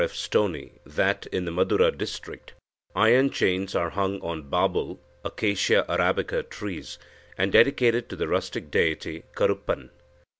F. Stoney that, in the Madura district, iron chains are hung on babul (Acacia arabica) trees, and dedicated to the rustic deity Karuppan.